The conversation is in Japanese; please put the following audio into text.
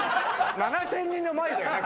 ７０００人の前だよね？